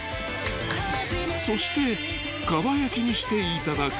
［そしてかば焼きにしていただく］